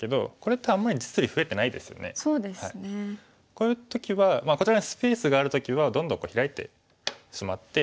こういう時はこちらにスペースがある時はどんどんヒラいてしまって